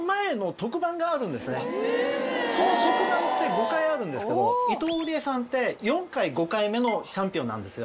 はいがあったんですけど伊藤織恵さんって４回５回目のチャンピオンなんですよ